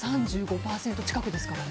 ３５％近くですから。